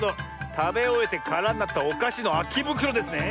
たべおえてからになったおかしのあきぶくろですね。